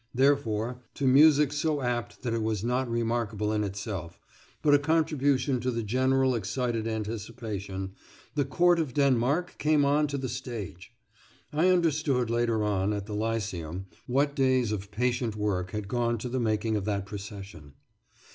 Therefore, to music so apt that it was not remarkable in itself, but a contribution to the general excited anticipation, the court of Denmark came on to the stage. I understood later on, at the Lyceum, what days of patient work had gone to the making of that procession.